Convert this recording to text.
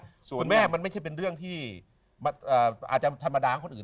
คุณแม่มันไม่ใช่เป็นเรื่องที่อาจจะธรรมดาของคนอื่น